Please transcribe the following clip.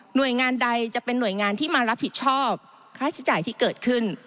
โดยงานใดจะเป็นหน่วยงานที่มารับผิดชอบค่าใช้จ่ายที่เกิดขึ้น